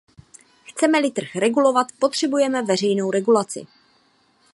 Chceme-li trh regulovat, potřebujeme veřejnou regulaci.